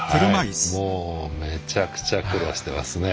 もう、めちゃくちゃ苦労してますね。